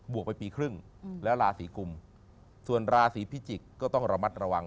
วกไปปีครึ่งแล้วราศีกุมส่วนราศีพิจิกษ์ก็ต้องระมัดระวัง